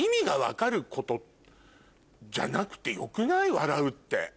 「笑う」って。